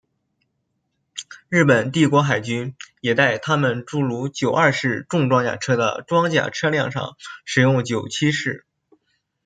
日本帝国海军也在他们诸如九二式重装甲车的装甲车辆上使用九七式。